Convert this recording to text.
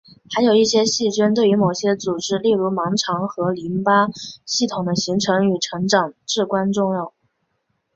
还有一些细菌对于某些组织例如盲肠和淋巴系统的形成与成长至关重要。